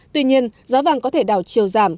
tuy nhiên giá vàng có thể đảo chiều giảm